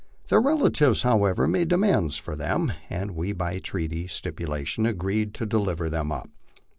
Their relatives, how ever, made demands for them, and we by treaty stipulation agreed to delivei them up.